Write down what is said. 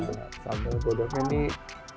ini sambal godoknya nih